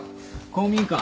公民館。